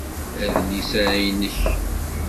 Adlis-a nnek